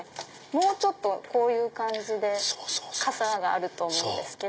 もうちょっとこういう感じでかさがあると思うんですけど。